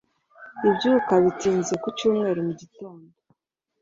abyuka bitinze ku cyumweru mugitondo.